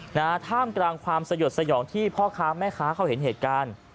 ท่ามกลางความสยดสยองที่พ่อค้าแม่ค้าเขาเห็นเหตุการณ์